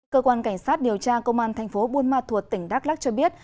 cơ quan cảnh sát điều tra công an thành phố buôn ma thuột tỉnh đắk lắc cho biết